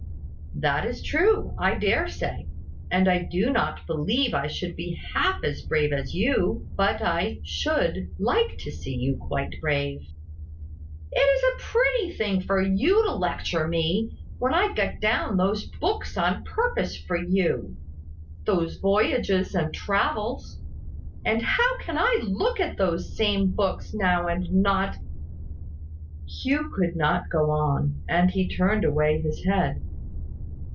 "That is true, I dare say; and I do not believe I should be half as brave as you, but I should like to see you quite brave." "It is a pretty thing for you to lecture me, when I got down those books on purpose for you, those Voyages and Travels. And how can I look at those same books, now and not " Hugh could not go on, and he turned away his head.